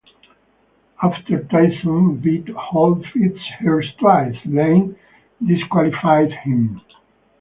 After Tyson bit Holyfield's ears twice, Lane disqualified him.